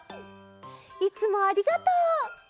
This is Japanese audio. いつもありがとう。